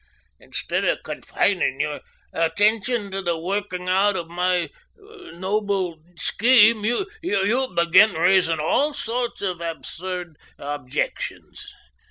Instead of confining your attention to the working out of my noble scheme, you begin raising all sorts of absurd objections.